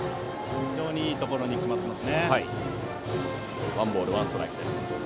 非常にいいところに決まっています。